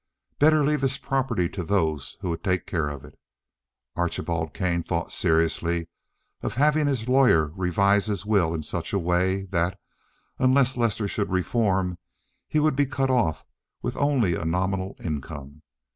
Better leave his property to those who would take care of it. Archibald Kane thought seriously of having his lawyer revise his will in such a way that, unless Lester should reform, he would be cut off with only a nominal income.